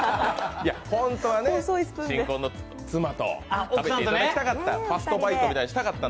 本当は新婚の妻と食べていただきたかった。